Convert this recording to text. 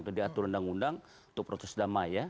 jadi atur undang undang untuk protes damai ya